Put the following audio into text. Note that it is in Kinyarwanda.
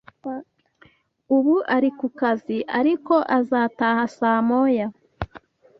Ubu ari kukazi, ariko azataha saa moya.